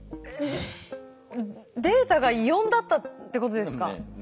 えっデータが４だったってことですか？